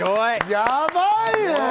やばいね！